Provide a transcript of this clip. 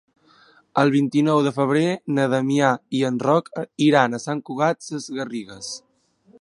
El vint-i-nou de febrer na Damià i en Roc iran a Sant Cugat Sesgarrigues.